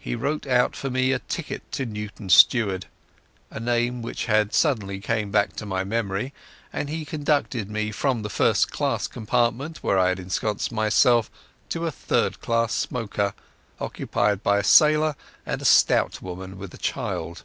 He wrote out for me a ticket to Newton Stewart, a name which had suddenly come back to my memory, and he conducted me from the first class compartment where I had ensconced myself to a third class smoker, occupied by a sailor and a stout woman with a child.